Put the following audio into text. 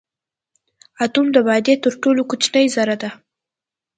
اتوم د مادې تر ټولو کوچنۍ ذره ده.